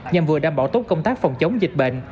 nhằm vừa đảm bảo tốt công tác phòng chống dịch bệnh